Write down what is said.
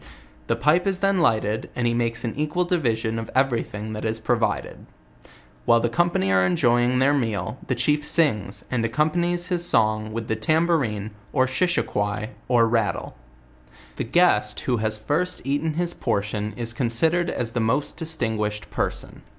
The pipe is then lighted, and he makes an equal division of every thing that is provided. While the company are enjoying their meal, the chief sings, and accompanies his song with the tambo rine, or shishiquoi, or rattle* The guest who has first eaten his portion is considered as the most distinguished person.